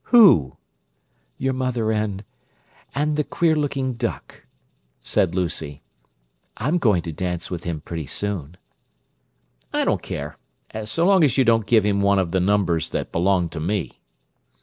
"Who?" "Your mother and—and the queer looking duck," said Lucy. "I'm going to dance with him pretty soon." "I don't care—so long as you don't give him one of the numbers that belong to me."